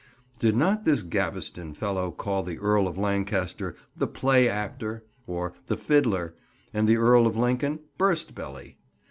Did not this Gaveston fellow call the Earl of Lancaster "the play actor," or "the fiddler," and the Earl of Lincoln "burst belly."